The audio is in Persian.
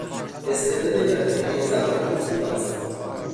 استعداد یادگیری زبان او خوب است.